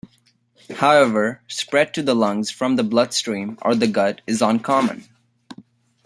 However, spread to the lungs from the blood stream or the gut is uncommon.